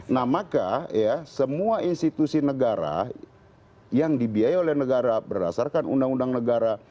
nah maka ya semua institusi negara yang dibiayai oleh negara berdasarkan undang undang negara